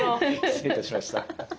失礼いたしました。